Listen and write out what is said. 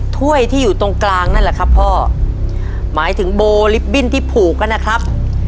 ถ้วยที่อยู่ตรงกลางนั่นแหละครับพ่อหมายถึงโบลิปบิ้นที่ผูกก็นะครับ